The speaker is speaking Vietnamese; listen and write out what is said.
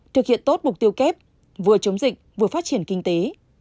thực hiện tốt mục tiêu kép vừa chống dịch vừa phát triển kinh tế